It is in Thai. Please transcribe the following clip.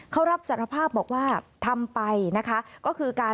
เขารับสารภาพบอกว่าทำไปนะคะ